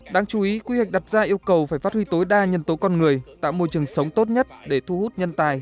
đáng chú ý quy hoạch đặt ra yêu cầu phải phát huy tối đa nhân tố con người tạo môi trường sống tốt nhất để thu hút nhân tài